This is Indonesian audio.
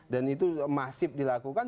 dan itu masih dilakukan